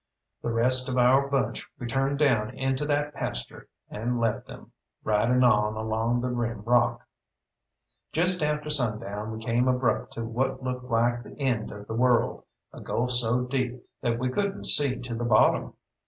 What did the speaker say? The rest of our bunch we turned down into that pasture, and left them, riding on along the rim rock. Just after sundown we came abrupt to what looked like the end of the world, a gulf so deep that we couldn't see to the bottom.